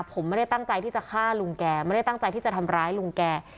ผมไม่ได้ตั้งใจที่จะฆ่าลุงแกไม่ได้ตั้งใจที่จะทำร้ายลุงแก